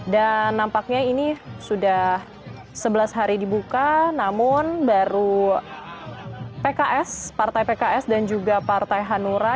dan nampaknya ini sudah sebelas hari dibuka namun baru pks partai pks dan juga partai hanura